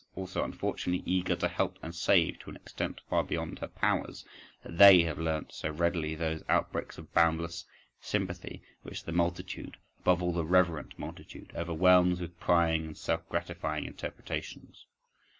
also unfortunately eager to help and save to an extent far beyond her powers—that they have learnt so readily those outbreaks of boundless sympathy which the multitude, above all the reverent multitude, overwhelms with prying and self gratifying interpretations.